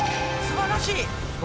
すばらしい！